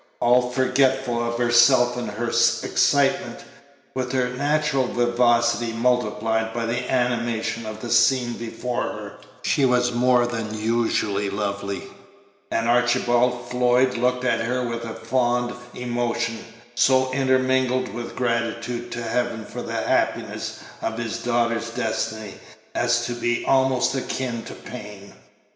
All forgetful of herself in her excitement, with her natural vivacity multiplied by the animation of the scene before her, she was more than usually lovely; and Archibald Floyd looked at her with a fond emotion, so intermingled with gratitude to Heaven for the happiness of his daughter's destiny as to be almost akin to pain.